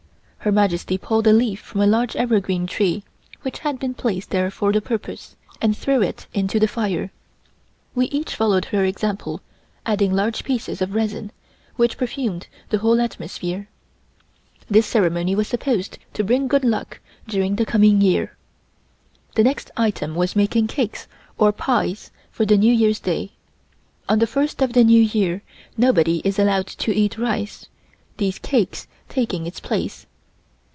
Her Majesty pulled a leaf from a large evergreen tree, which had been placed there for the purpose, and threw it into the fire. We each followed her example, adding large pieces of resin, which perfumed the whole atmosphere. This ceremony was supposed to bring good luck during the coming year. The next item was making cakes or pies for New Year's day. On the first of the New Year, nobody is allowed to eat rice, these cakes taking its place.